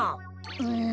うん。